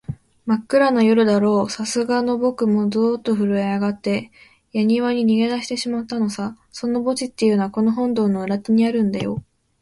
まっくらな夜だろう、さすがのぼくもゾーッとふるえあがって、やにわに逃げだしてしまったのさ。その墓地っていうのは、この本堂の裏手にあるんだよ。